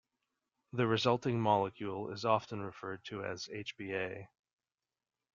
The resulting molecule is often referred to as Hb A.